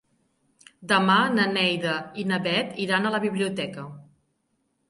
Demà na Neida i na Bet iran a la biblioteca.